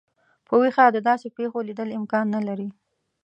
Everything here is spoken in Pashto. په ویښه د داسي پیښو لیدل امکان نه لري.